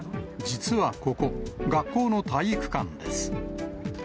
実はここ、学校の体育館です。